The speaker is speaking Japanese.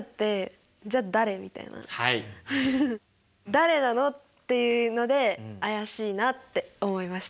誰なの？っていうので怪しいなって思いました。